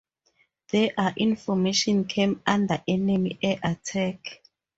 There the formation came under enemy air attack.